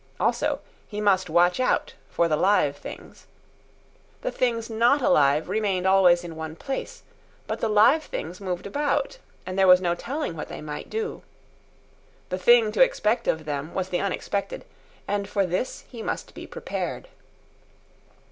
Also, he must watch out for the live things. The things not alive remained always in one place, but the live things moved about, and there was no telling what they might do. The thing to expect of them was the unexpected, and for this he must be prepared.